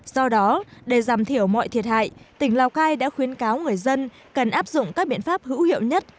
do đó để giảm thiểu mọi thiệt hại tỉnh lào cai đã khuyến cáo người dân cần áp dụng các biện pháp hữu hiệu nhất